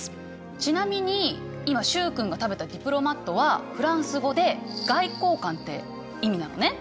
ちなみに今習君が食べたディプロマットはフランス語で外交官って意味なのね。